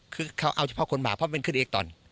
คือเขาเอาเฉพาะคนหมาเพราะมันขึ้นเอกตอน